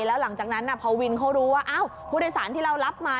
แล้วหลังจากนั้นพอวินเขารู้ว่าผู้โดยสารที่เรารับมา